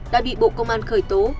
đã bị bộ công an khởi tố